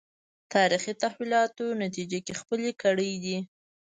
تاریخي تحولاتو نتیجه کې خپلې کړې دي